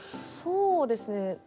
そうですね。